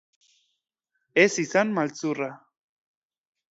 Ez izan maltzurra!